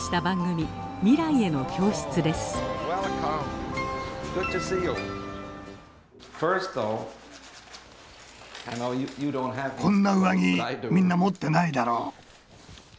こんな上着みんな持ってないだろ？